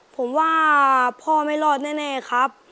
ผมว่าพ่อไม่รอดแน่ครับ